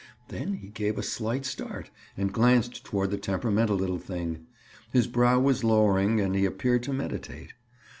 Then he gave a slight start and glanced toward the temperamental little thing; his brow was lowering, and he appeared to meditate.